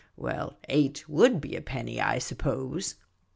Well, eight would be a penny, I suppose.